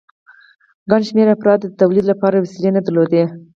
ګڼ شمېر افرادو د تولید لپاره وسیلې نه درلودې